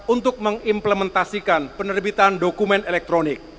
untuk mengimplementasikan penerbitan dokumen elektronik